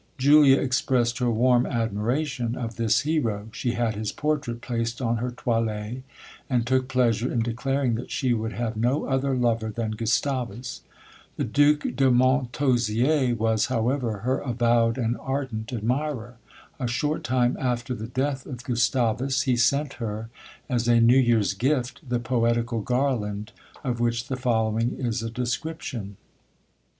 Julia expressed her warm admiration of this hero. She had his portrait placed on her toilet, and took pleasure in declaring that she would have no other lover than Gustavus. The Duke de Montausier was, however, her avowed and ardent admirer. A short time after the death of Gustavus, he sent her, as a new year's gift, the POETICAL GARLAND of which the following is a description.